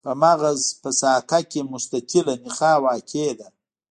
په مغز په ساقه کې مستطیله نخاع واقع ده.